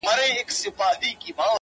خپه وې چي وړې ، وړې ،وړې د فريادي وې،